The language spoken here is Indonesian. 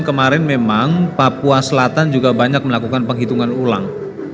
kemarin memang papua selatan juga banyak melakukan penghitungan ulang